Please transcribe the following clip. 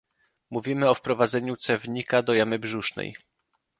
Mówimy o wprowadzaniu cewnika do jamy brzusznej